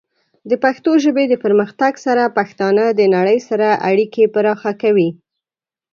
د پښتو ژبې د پرمختګ سره، پښتانه د نړۍ سره اړیکې پراخه کوي.